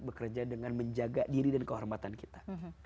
bekerja dengan menjaga diri dan kehormatan kita